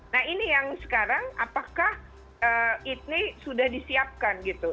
nah ini yang sekarang apakah ini sudah disiapkan gitu